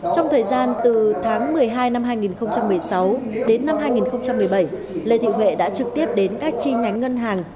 trong thời gian từ tháng một mươi hai năm hai nghìn một mươi sáu đến năm hai nghìn một mươi bảy lê thị huệ đã trực tiếp đến các chi nhánh ngân hàng